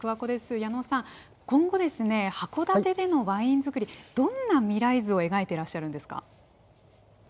矢野さん、今後、函館でのワイン造り、どんな未来図を描いてらっしゃるんですか？